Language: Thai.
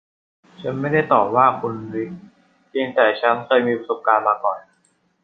ฉันไม่ได้ต่อว่าคุณ ริค เพียงแต่ฉันเคยมีประสบการณ์มาก่อน